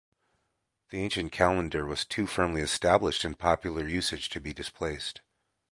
The ancient calendar was too firmly established in popular usage to be displaced.